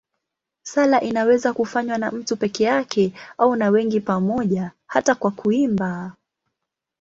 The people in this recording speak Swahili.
Sala inaweza kufanywa na mtu peke yake au na wengi pamoja, hata kwa kuimba.